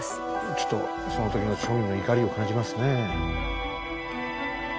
ちょっとその時の庶民の怒りを感じますね。